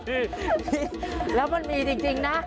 ทุกข้าทุกข้าทุกข้า